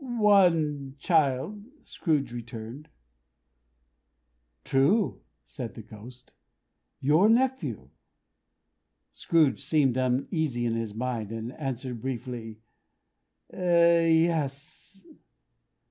"One child," Scrooge returned. "True," said the Ghost. "Your nephew!" Scrooge seemed uneasy in his mind; and answered briefly, "Yes."